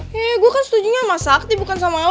ya saya kan setujunya dengan sakti bukan dengan kamu